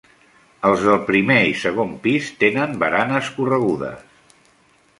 Els del primer i segon pis tenen baranes corregudes.